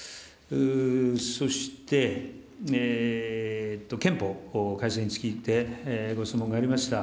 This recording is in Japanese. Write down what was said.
そして、憲法改正についてご質問がありました。